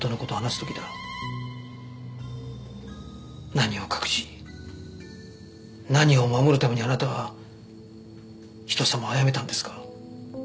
何を隠し何を守るためにあなたは人様をあやめたんですか？